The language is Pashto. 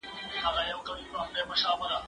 زه بايد بازار ته ولاړ سم،